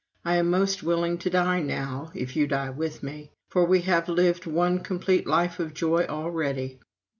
... I am most willing to die now (if you die with me), for we have lived one complete life of joy already."